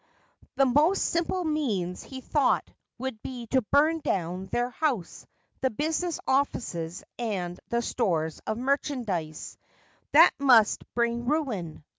The most simple means, he thought, would be to burn down their house, the business offices, and the stores of merchandise : that must bring ruin.